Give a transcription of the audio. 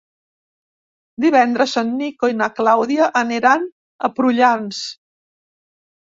Divendres en Nico i na Clàudia aniran a Prullans.